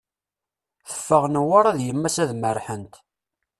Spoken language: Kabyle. Teffeɣ Newwara d yemma-s ad merrḥent.